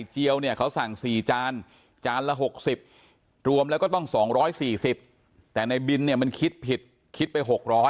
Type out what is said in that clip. จานจานละ๖๐รวมแล้วก็ต้อง๒๔๐แต่ในบิลเนี่ยมันคิดผิดคิดไป